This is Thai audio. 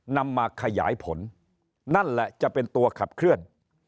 นำมาขยายผลนั่นแหละจะเป็นตัวขับเคลื่อน